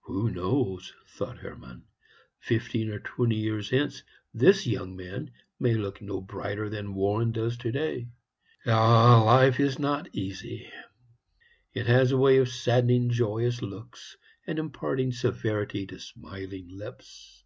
"Who knows?" thought Hermann; "fifteen or twenty years hence this young man may look no brighter than Warren does today. Ah, life is not easy! It has a way of saddening joyous looks, and imparting severity to smiling lips.